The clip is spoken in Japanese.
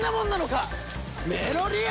メロリア！